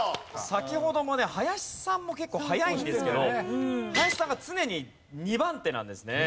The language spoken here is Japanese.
先ほどもね林さんも結構早いんですけど林さんが常に２番手なんですね。